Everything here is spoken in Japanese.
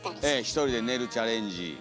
１人で寝るチャレンジ。